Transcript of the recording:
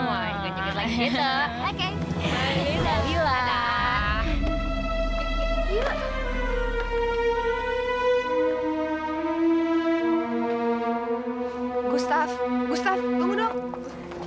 gustaf gustaf tunggu dong